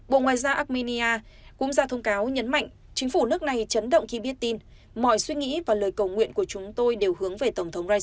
bộ ngoại giao armenia cũng ra thông cáo nhấn mạnh chính phủ nước này chấn động khi biết tin mọi suy nghĩ và lời cầu nguyện của chúng tôi đều hướng về tổng thống reut